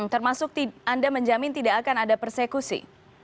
termasuk anda menjamin tidak akan ada persekusi